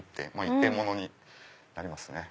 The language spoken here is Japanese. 一点物になりますね。